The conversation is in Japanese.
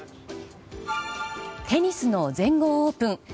テニスの全豪オープン。